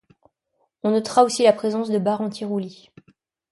On notera aussi la présence de barres anti-roulis.